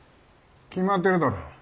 決まってるだろ。